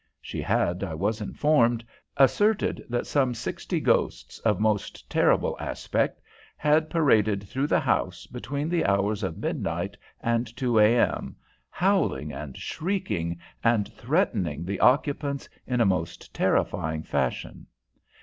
She had, I was informed, asserted that some sixty ghosts of most terrible aspect had paraded through the house between the hours of midnight and 2 A.M., howling and shrieking and threatening the occupants in a most terrifying fashion.